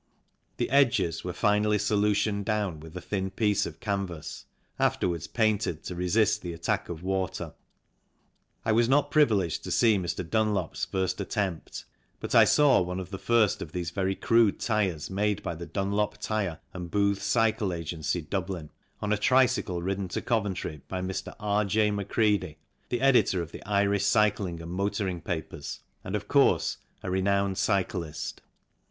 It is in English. The edges were finally solutioned down with a thin piece of canvas, afterwards painted to resist the attack of water. I was not privileged to see Mr. Dunlop's first attempt, but I saw one of the first of these very crude tyres made by the Dunlop Tyre and Booth's Cycle Agency, Dublin, on a tricycle ridden to Coventry by Mr. R. J. Mecredy, the editor of the Irish cycling and motonng papers and, of course, a renowned cyclist.